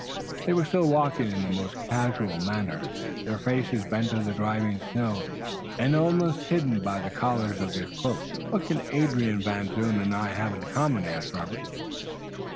They were still walking in the most casual manner, their faces bent to the driving snow, and almost hidden by the collars of their cloaks. "What can Adrian Van Zoon and I have in common?" asked Robert.